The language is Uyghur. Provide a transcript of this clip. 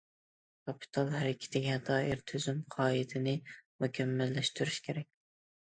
كاپىتال ھەرىكىتىگە دائىر تۈزۈم، قائىدىنى مۇكەممەللەشتۈرۈش كېرەك.